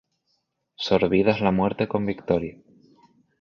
Sorbida es la muerte con victoria.